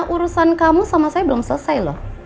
urusan kamu sama saya belum selesai loh